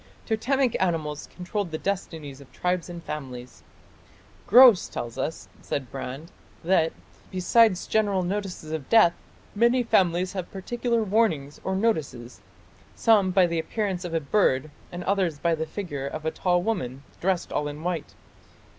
" Totemic animals controlled the destinies of tribes and families. "Grose tells us", says Brand, "that, besides general notices of death, many families have particular warnings or notices: some by the appearance of a bird, and others by the figure of a tall woman, dressed all in white....